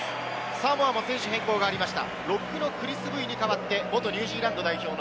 サモアも選手変更がありました。